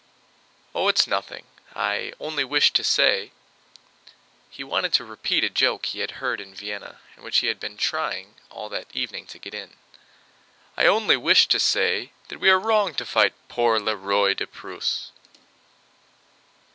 "Oh, it's nothing. I only wished to say..." (he wanted to repeat a joke he had heard in Vienna and which he had been trying all that evening to get in) "I only wished to say that we are wrong to fight pour le Roi de Prusse!"